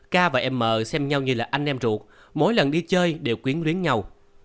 k và em m xem nhau như là anh em ruột mỗi lần đi chơi đều quyến luyến nhau